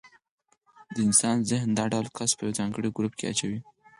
د انسان ذهن دا ډول کس په یو ځانګړي ګروپ کې اچوي.